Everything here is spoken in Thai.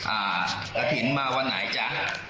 อ่าอธินมาวันไหนจ้ะ